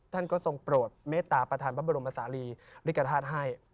ท่านก็ทรงโปรดเมตตาประธานพระบรมศาลีริกฐาตุให้